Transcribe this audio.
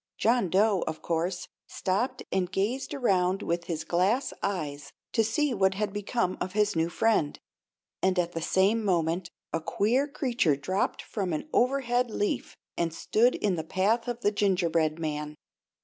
John Dough, of course, stopped and gazed around with his glass eyes to see what had become of his new friend, and at the same moment a queer creature dropped from an overhead leaf and stood in the path of the gingerbread man.